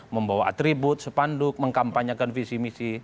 membawa atribut sepanduk mengkampanyekan visi misi